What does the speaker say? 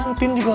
antin juga kalah